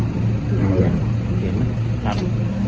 ครับขอบคุณครับ